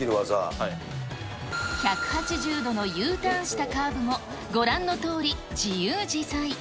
１８０度のＵターンしたカーブも、ご覧のとおり、自由自在。